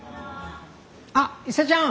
あっ伊勢ちゃん。